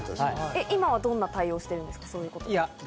今はどんな対応してるんですか？